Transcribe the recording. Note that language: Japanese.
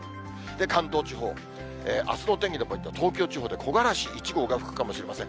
関東地方、あすの天気のポイント、東京地方で木枯らし１号が吹くかもしれません。